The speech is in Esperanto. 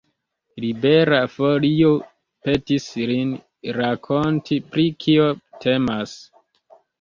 Libera Folio petis lin rakonti, pri kio temas.